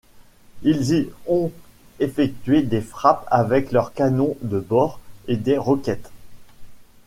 Ils y ont effectué des frappes avec leurs canons de bord et des roquettes.